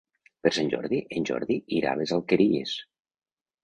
Per Sant Jordi en Jordi irà a les Alqueries.